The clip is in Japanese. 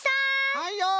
はいよい！